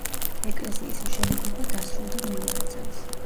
ეკლესიის მშენებლობა დასრულდა მეორე წელს.